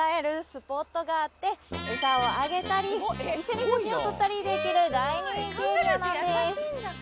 スポットがあってエサをあげたり一緒に写真を撮ったりできる大人気エリアなんです